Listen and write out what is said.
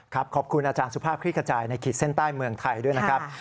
ขอบคุณอาจารย์สุภาพคลิกขจายในขีดเส้นใต้เมืองไทยด้วยนะครับ